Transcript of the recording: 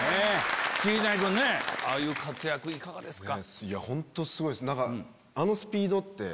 桐谷君ああいう活躍いかがですか？